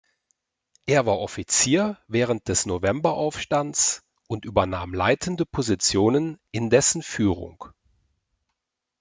Er war Offizier während des Novemberaufstands und übernahm leitende Positionen in dessen Führung.